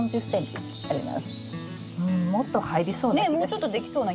うんもっと入りそうな気が。